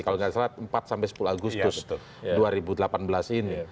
kalau tidak salah empat sampai sepuluh agustus dua ribu delapan belas ini